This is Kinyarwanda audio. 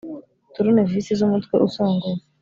Turunevisi z’umutwe usongoye,